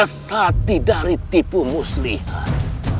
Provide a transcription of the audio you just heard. menzias hati dari tipu muslihan